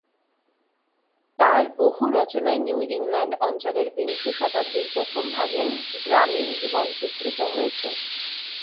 তাঁর বহু রচনায় নিউ ইংল্যান্ড অঞ্চলের বিংশ শতাব্দীর প্রথম ভাগের গ্রামীণ জীবন চিত্রিত হয়েছে।